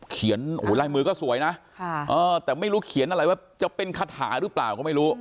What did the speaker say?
ลายมือก็สวยนะแต่ไม่รู้เขียนอะไรว่าจะเป็นคาถาหรือเปล่าก็ไม่รู้